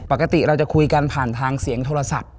ปกติเราจะคุยกันผ่านทางเสียงโทรศัพท์